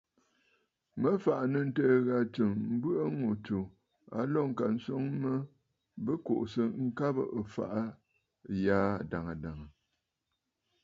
Mə fàʼà nɨ̂ ǹtɨɨ̀ ghâ tsɨm, mbɨ̀ʼɨ̀ ŋù tsù a lǒ ŋka swoŋ mə bɨ kuʼusə ŋkabə̀ ɨfàʼà ghaa adàŋə̀ dàŋə̀.